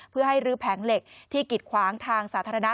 เพื่อให้รื้อแผงเหล็กที่กิดขวางทางสาธารณะ